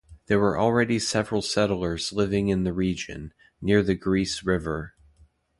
There were already several settlers living in the region, near the Gris River.